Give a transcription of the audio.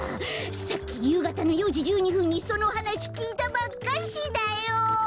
さっきゆうがたの４じ１２ふんにそのはなしきいたばっかしだよ！